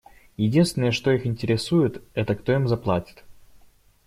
Единственное, что их интересует, — это кто им заплатит.